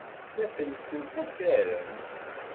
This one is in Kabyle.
La ttellsent akraren.